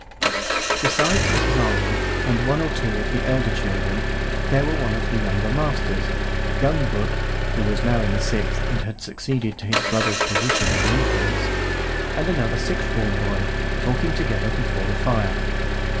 Besides Mrs. Arnold and one or two of the elder children, there were one of the younger masters, young Brooke (who was now in the sixth, and had succeeded to his brother's position and influence), and another sixth form boy, talking together before the fire.